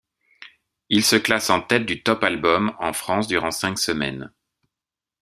Il se classe en tête du Top Albums en France durant cinq semaines.